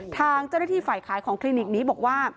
ทางเจ้าหน้าที่ฝ่ายขายของคลินิกนี้บอกว่า